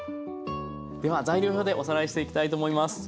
では材料表でおさらいしていきたいと思います。